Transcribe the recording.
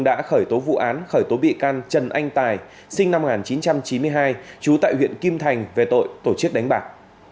đã khởi tố vụ án khởi tố bị can trần anh tài sinh năm một nghìn chín trăm chín mươi hai trú tại huyện kim thành về tội tổ chức đánh bạc